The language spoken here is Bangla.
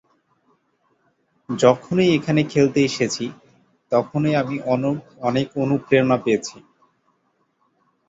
যখনই এখানে খেলতে এসেছি, তখনই আমি অনেক অনুপ্রেরণা পেয়েছি।